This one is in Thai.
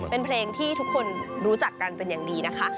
เป็นเพลงที่ทุกคนรู้จักกันเป็นอย่างดีนะคะ